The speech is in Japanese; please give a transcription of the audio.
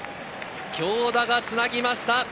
京田がつなぎました。